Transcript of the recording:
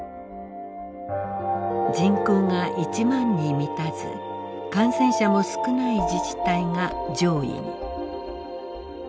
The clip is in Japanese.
人口が１万に満たず感染者も少ない自治体が上位に。